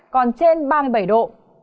còn trên ba mươi bảy độ